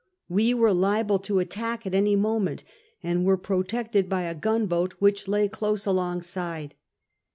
We were liable to attack at any moment, and were protected by a gunboat which lay close along side.